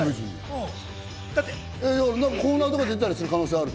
コーナーとかで出たりする可能性あるの？